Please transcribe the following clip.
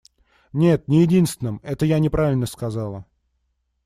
Нет, не единственным - это я неправильно сказала.